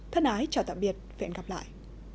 thân ái chào tạm biệt hẹn gặp lại